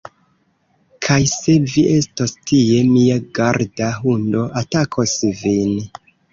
Kaj se vi estos tie, mia garda hundo atakos vin